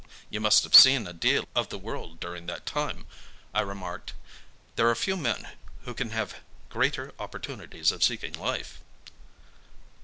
"You must have seen a deal of the world during that time," I remarked. "There are few men who can have greater opportunities of seeing life."